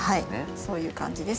そういう感じです。